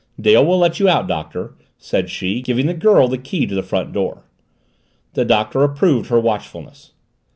"Dale will let you out, Doctor," said she, giving the girl the key to the front door. The Doctor approved her watchfulness.